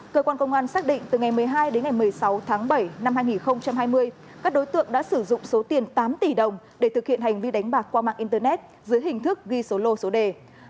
cơ quan công an xác định từ ngày một mươi hai đến ngày một mươi sáu tháng bảy năm hai nghìn hai mươi các đối tượng đã sử dụng số tiền tám tỷ đồng để thực hiện hành vi đánh bạc qua mạng internet dưới hình thức ghi số lô số đề